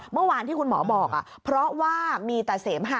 เมื่อวานที่คุณหมอบอกเพราะว่ามีแต่เสมหะ